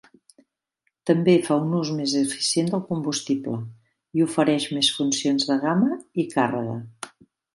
També fa un ús més eficient del combustible i ofereix més funcions de gamma i càrrega.